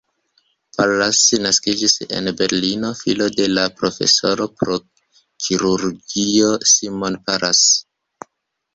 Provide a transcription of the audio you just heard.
Pallas naskiĝis en Berlino, filo de la profesoro pro kirurgio Simon Pallas.